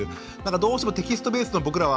どうしてもテキストベースで僕らは。